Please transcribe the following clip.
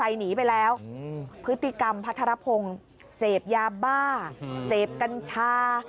หนีไปแล้วพฤติกรรมพัทรพงศ์เสพยาบ้าเสพกัญชา